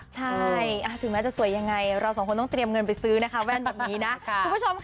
ใช่ถึงแม้จะสวยยังไงเราสองคนต้องเตรียมเงินไปซื้อนะคะแว่นแบบนี้นะคุณผู้ชมค่ะ